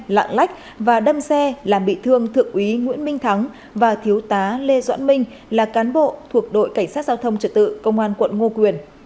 lạng lách và đâm xe làm bị thương thượng úy nguyễn minh thắng và thiếu tá lê doãn minh là cán bộ thuộc đội cảnh sát giao thông trật tự công an quận ngô quyền